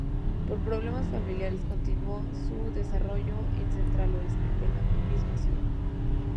Por problemas familiares continuó su desarrollo en Central Oeste, de la misma ciudad.